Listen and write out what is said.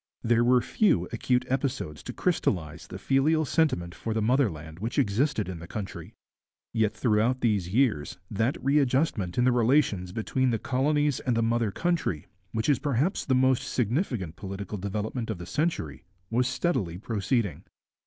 There were few acute episodes to crystallize the filial sentiment for the motherland which existed in the country. Yet throughout these years that readjustment in the relations between the colonies and the mother country, which is perhaps the most significant political development of the century, was steadily proceeding.